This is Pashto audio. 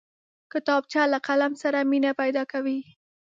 کتابچه له قلم سره مینه پیدا کوي